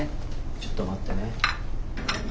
ちょっと待ってね。